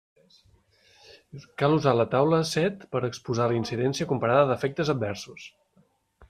Cal usar la taula set per a exposar la incidència comparada d'efectes adversos.